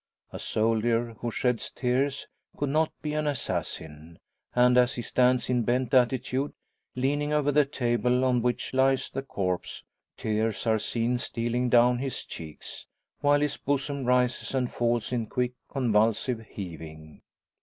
A soldier who sheds tears could not be an assassin; and as he stands in bent attitude, leaning over the table on which lies the corpse, tears are seen stealing down his cheeks, while his bosom rises and falls in quick, convulsive heaving.